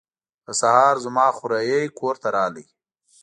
په سهار زما خوریی کور ته راغی.